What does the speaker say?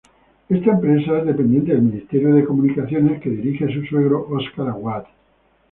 Esta empresa es dependiente del Ministerio de Comunicaciones que dirige su suegro Oscar Aguad.